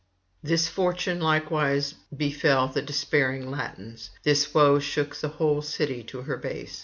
This fortune likewise befell the despairing Latins, this woe shook the whole city to her base.